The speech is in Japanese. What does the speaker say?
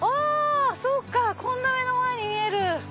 そうかこんな目の前に見える。